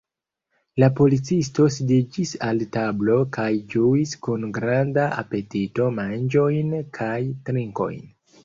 La policisto sidiĝis al tablo kaj ĝuis kun granda apetito manĝojn kaj trinkojn.